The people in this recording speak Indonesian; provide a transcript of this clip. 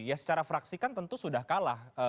ya secara fraksi kan tentu sudah kalah